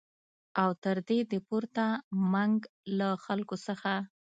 او تر دې د پورته منګ له خلکو څخه